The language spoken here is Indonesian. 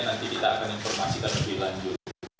nanti kita akan informasikan lebih lanjut